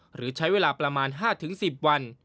หรือใช้เวลาประมาณ๕๑๐วัน